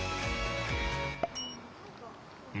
うん？